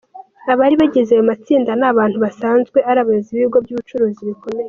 Abari bagize ayo matsinda ni abantu basanzwe ari abayobozi b’ibigo by’ubucuruzi bikomeye.